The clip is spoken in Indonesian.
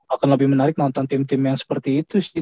akan lebih menarik nonton tim tim yang seperti itu sih